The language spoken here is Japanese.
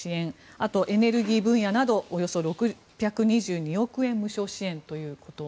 あと、エネルギー分野などおよそ６２２億円無償支援ということ。